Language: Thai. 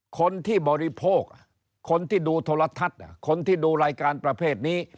คนที่บริโภคคนที่ดูโทรทัศน์คนที่ดูรายการประเภทนี้